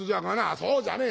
そうじゃねえ